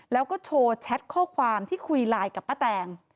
แล้วก็โชว์แชทข้อความที่คุยไลน์กับป้าแตง